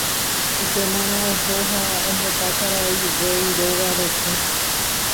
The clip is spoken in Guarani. Upémarõ oho ha ombota karai rey róga rokẽ.